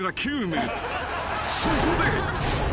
［そこで］